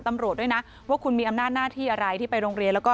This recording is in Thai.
ตำรวจด้วยนะว่าคุณมีอำนาจหน้าที่อะไรที่ไปโรงเรียนแล้วก็